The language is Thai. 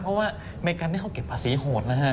เพราะว่าอเมริกันนี่เขาเก็บภาษีโหดนะฮะ